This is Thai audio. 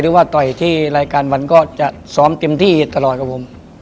ว่าต่อยที่รายการวันก็จะซ้อมเต็มที่ตลอดครับผม